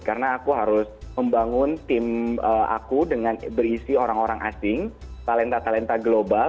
karena aku harus membangun tim aku dengan berisi orang orang asing talenta talenta global